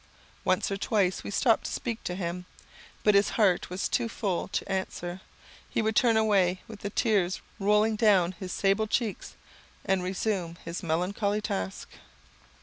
Once or twice we stopped to speak to him, but his heart was too full to answer. He would turn away, with the tears rolling down his sable cheeks, and resume his melancholy task.